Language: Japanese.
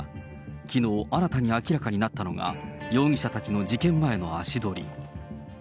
きのう、新たに明らかになったのが、容疑者たちの事件前の足取り。